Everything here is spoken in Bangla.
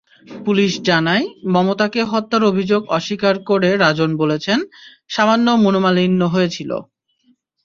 পুলিশ জানায়, মমতাকে হত্যার অভিযোগ অস্বীকার করে রাজন বলেছেন, সামান্য মনোমালিন্য হয়েছিল।